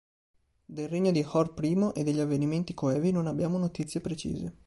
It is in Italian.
Del regno di Hor I e degli avvenimenti coevi non abbiamo notizie precise.